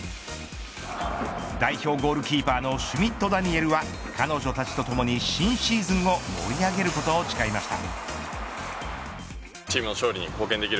代表ゴールキーパーのシュミット・ダニエルは彼女たちとともに新シーズンを盛り上げることを誓いました。